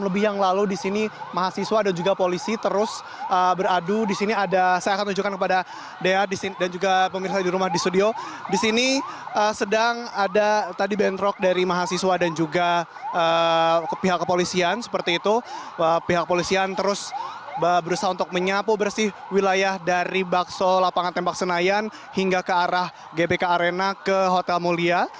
berusaha untuk menyapu bersih wilayah dari bakso lapangan tembak senayan hingga ke arah gbk arena ke hotel mulia